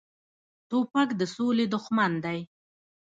توپک د سولې دښمن دی.